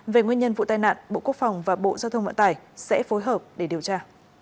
về nguyên nhân vụ tai nạn bộ quốc phòng và bộ giao thông vận tải sẽ phối hợp để điều tra